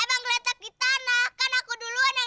emang geletak di tanah kan aku duluan yang nemuin